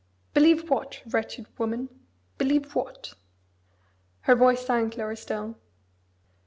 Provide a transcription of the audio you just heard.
"Believe what, wretched woman? believe what?" Her voice sank lower still.